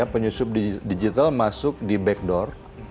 penyusup digital masuk di backdown